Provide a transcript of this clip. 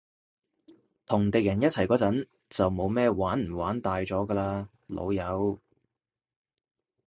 同敵人一齊嗰陣，就冇咩玩唔玩大咗㗎喇，老友